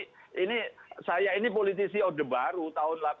jadi ini saya ini politisi ode baru tahun sembilan puluh tujuh sudah jadi